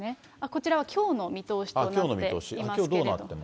こちらはきょうの見通しとなっていますけれども。